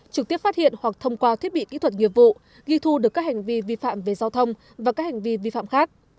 trực tiếp phát hiện hoặc thông qua thiết bị kỹ thuật nghiệp vụ ghi thu được các hành vi vi phạm về giao thông và các hành vi vi phạm khác